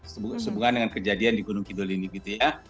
sehubungan dengan kejadian di gunung kidul ini gitu ya